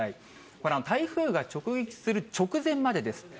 これ、台風が直撃する直前までです。